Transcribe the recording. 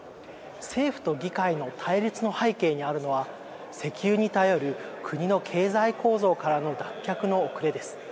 政府と議会の対立の背景にあるのは石油に頼る国の経済構造からの脱却の遅れです。